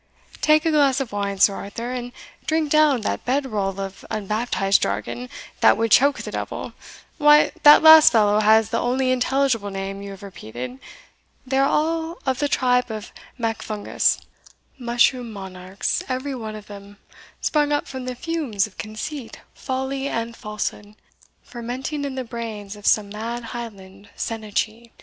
"Take a glass of wine, Sir Arthur, and drink down that bead roll of unbaptized jargon, that would choke the devil why, that last fellow has the only intelligible name you have repeated they are all of the tribe of Macfungus mushroom monarchs every one of them; sprung up from the fumes of conceit, folly, and falsehood, fermenting in the brains of some mad Highland seannachie."